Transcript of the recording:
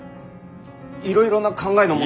いろいろな考えの者。